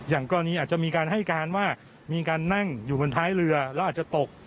อย่างกรณีอาจจะมีการให้การว่ามีการนั่งอยู่บนท้ายเรือแล้วอาจจะตก